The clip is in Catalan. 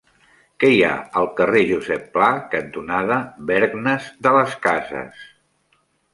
Què hi ha al carrer Josep Pla cantonada Bergnes de las Casas?